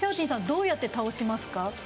どうやって倒しますか？